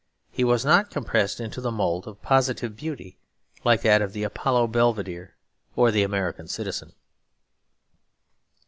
He was not compressed into the mould of positive beauty, like that of the Apollo Belvedere or the American citizen.